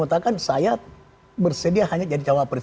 maksudnya kan saya bersedia hanya jadi capres